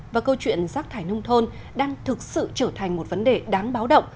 và câu chuyện rác thải nông thôn đang thực sự trở thành một vấn đề đáng báo động